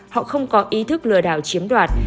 họ không có ý thức lừa đảo chiếm đoạt